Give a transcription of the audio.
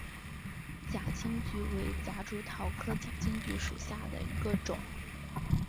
假金桔为夹竹桃科假金桔属下的一个种。